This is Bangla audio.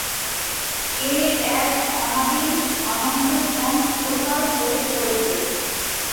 এ এক অনাদি অনন্ত ভ্রম চিরকাল ধরে চলেছে।